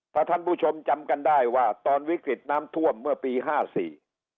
ถ้าท่านผู้ชมจำกันได้ว่าตอนวิกฤตน้ำท่วมเมื่อปีห้าสี่